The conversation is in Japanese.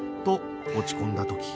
と落ち込んだ時